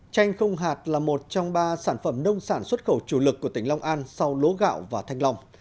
chanh không hạt là một trong ba sản phẩm nông sản xuất khẩu chủ lực của tỉnh long an sau lúa gạo và thanh long